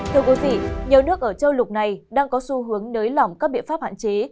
thưa quý vị nhiều nước ở châu lục này đang có xu hướng nới lỏng các biện pháp hạn chế